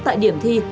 tại điểm thi